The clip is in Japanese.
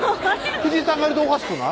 藤井さんがやるとおかしくない？